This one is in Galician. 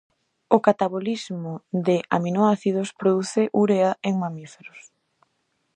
O catabolismo de aminoácidos produce urea en mamíferos.